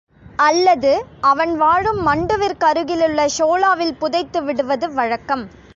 அல்லது அவன் வாழும் மண்டுவிற்கருகிலுள்ள ஷோலாவில் புதைத்து விடுவது வழக்கம்.